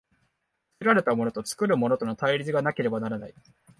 作られたものと作るものとの対立がなければならない。